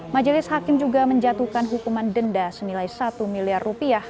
majelis hakim juga menjatuhkan hukuman denda senilai satu miliar rupiah